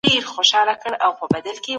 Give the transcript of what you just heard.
د دولت مصارف نن ورځ ګټور ګڼل کیږي.